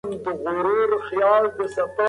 دا یو مثبت عادت دی.